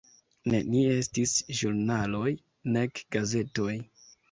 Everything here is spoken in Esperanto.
Nenie estis ĵurnaloj, nek gazetoj.